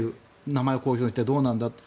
名前を公表してどうなんだと。